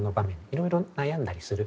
いろいろ悩んだりする。